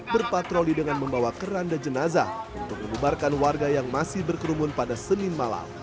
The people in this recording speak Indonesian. berpatroli dengan membawa keranda jenazah untuk mengubarkan warga yang masih berkerumun pada senin malam